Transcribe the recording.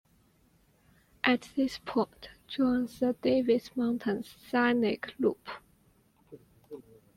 At this point, joins the Davis Mountains Scenic Loop.